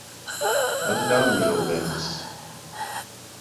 Baldaŭ mi revenos.